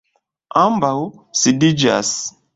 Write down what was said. Ambaŭ sidiĝas.